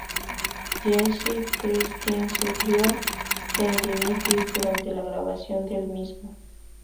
Jesse Kristin sufrió tendinitis durante la grabación del mismo.